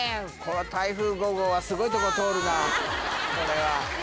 台風５号はすごいとこ通るなこれは。